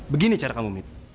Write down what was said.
begini cara kamu min